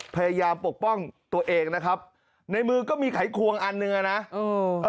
ปกป้องตัวเองนะครับในมือก็มีไขควงอันหนึ่งอ่ะนะเออ